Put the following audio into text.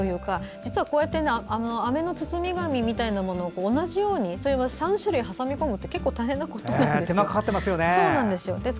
実はこうやってあめの包み紙みたいなものを同じように３種類挟み込むって結構、大変なことなんです。